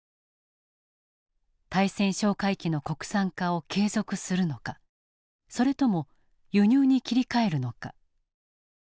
対潜哨戒機の国産化を継続するのかそれとも輸入に切り替えるのか。